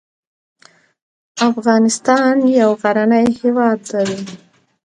افغانستان يو غرنی هېواد دی.